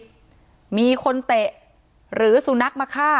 ที่มีข่าวเรื่องน้องหายตัว